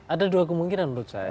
ada dua kemungkinan menurut saya